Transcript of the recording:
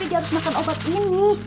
tapi dia harus makan obat minggu